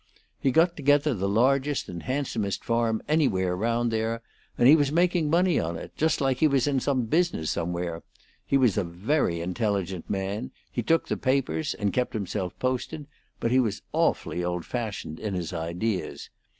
He'd got together the largest and handsomest farm anywhere around there; and he was making money on it, just like he was in some business somewhere; he was a very intelligent man; he took the papers and kept himself posted; but he was awfully old fashioned in his ideas.